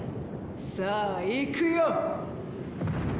さあ行くよ！